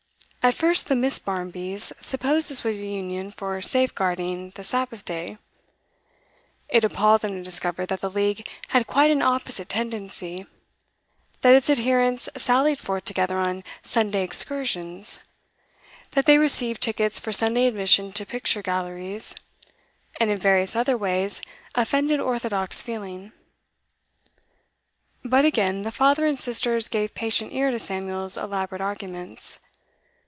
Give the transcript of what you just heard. At first the Miss. Barmbys supposed this was a union for safe guarding the Sabbath day; it appalled them to discover that the League had quite an opposite tendency, that its adherents sallied forth together on 'Sunday excursions,' that they received tickets for Sunday admission to picture galleries, and in various other ways offended orthodox feeling. But again the father and sisters gave patient ear to Samuel's elaborate arguments.